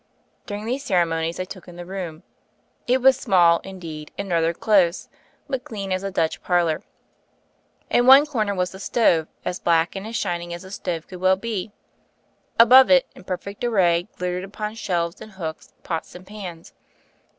'* During these ceremonies, I took in the room. It was small, indeed, and rather close; but clean as a Dutch parlor. In one corner was the stove, as black and as shining as a stove could well be. Above it, in perfect array, glittered, upon shelves and hooks, pots and pans.